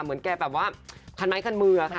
เหมือนแกแบบว่าคันไม้คันมือค่ะ